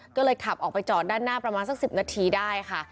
ก็เลยขับออกไปจอดด้านหน้าประมาณสัก๑๐นาทีได้ค่ะ